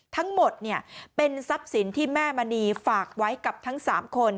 ทั้งหมดเป็นทรัพย์สินที่แม่มณีฝากไว้กับทั้ง๓คน